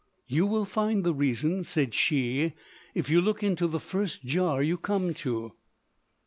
"You will find the reason," said she, "if you look into the first jar you come to."